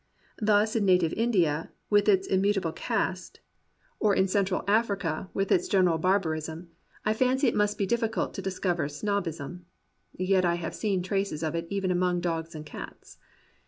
Thus in native India with its immutable caste, or 115 COMPANIONABLE BOOKS in Central Africa with its general barbarism, I fancy it must be difficult to discover snobbism. (Yet I have seen traces of it even among dogs and cats.)